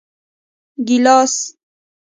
🍒 ګېلاس